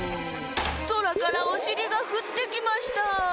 そらからおしりがふってきました。